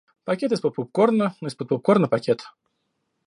Пакет из-под попкорна, из-под попкорна пакет.